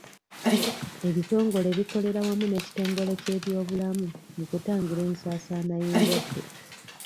Ebitongole bikolera wamu n'ekitongole ky'ebyobulamu mu kutangira ensaasaana y'endwadde.